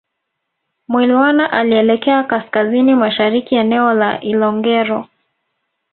Mwilwana alielekea kaskazini mashariki eneo la Ilongero